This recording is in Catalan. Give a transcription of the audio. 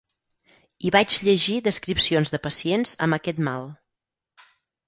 Hi vaig llegir descripcions de pacients amb aquest mal.